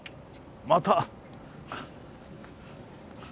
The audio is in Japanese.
また。